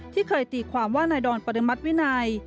ที่เคยตีความว่านายดอนปริมัติวินัย